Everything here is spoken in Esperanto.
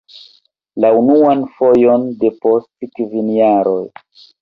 La unuan fojon depost kvin jaroj!